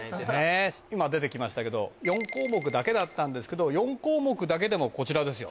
今出てきましたけど４項目だけだったんですけど４項目だけでもこちらですよ。